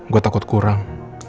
gue takut kurang